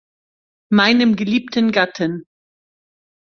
Meinem geliebten Gatten.